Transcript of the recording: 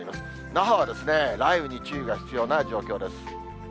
那覇は雷雨に注意が必要な状況です。